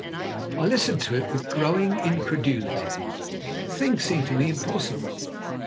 I listened to it with growing incredulity. The thing seemed to me impossible.